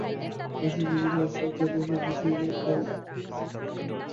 আশা সংকুচিতপদে আসিয়া ছাদের প্রবেশদ্বারের কাছে দাঁড়াইয়া রহিল।